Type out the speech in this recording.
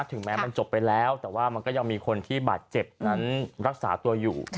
ถึงแม้มันจบไปแล้วแต่ว่ามันก็ยังมีคนที่บาดเจ็บนั้นรักษาตัวอยู่